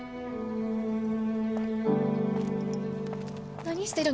何してるの？